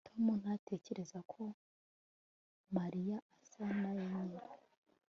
tom ntatekereza ko mariya asa na nyina